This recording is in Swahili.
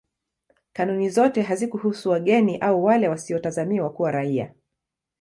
Kanuni zote hazikuhusu wageni au wale wasiotazamiwa kuwa raia.